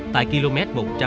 tại km một trăm chín mươi